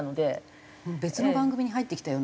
別の番組に入ってきたような。